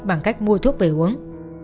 bằng cách mua thuốc về uống